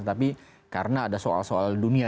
tapi karena ada soal soal dunia